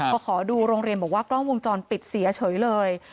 พอขอดูโรงเรียนบอกว่ากล้องวงจรปิดเสียเฉยเลย